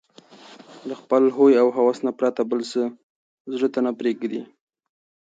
له خپل هوى او هوس نه پرته بل څه زړه ته نه پرېږدي